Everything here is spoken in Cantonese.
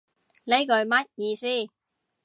呢句乜意思